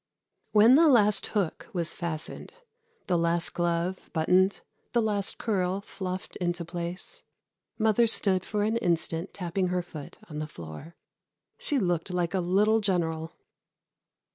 When the last hook was fastened, the last glove buttoned, the last curl fluffed into place, mother stood for an instant tapping her foot on the floor. She looked like a little general.